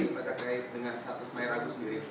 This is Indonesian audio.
pak terkait dengan status mayor agus sendiri